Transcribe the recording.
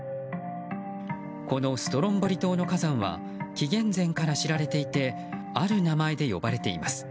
このストロンボリ島の火山は紀元前から知られていてある名前で呼ばれています。